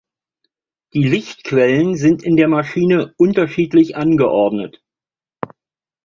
Die Lichtquellen sind in der Maschine unterschiedlich angeordnet.